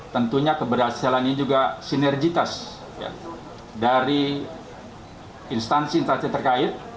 tentunya keberhasilan ini juga sinergitas dari instansi instansi terkait